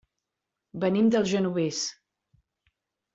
Venim del Genovés.